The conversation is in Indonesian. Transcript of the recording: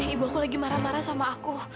ibu aku lagi marah marah sama aku